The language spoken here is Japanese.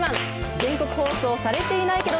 全国放送されていないけど、